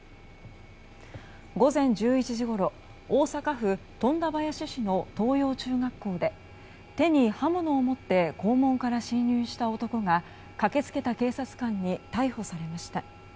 午前１１時ごろ大阪府富田林市の藤陽中学校で、手に刃物を持って校門から侵入した男が駆けつけた警察官に逮捕されました。